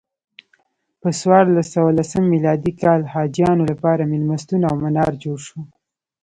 په څوارلس سوه لسم میلادي کال حاجیانو لپاره میلمستون او منار جوړ شو.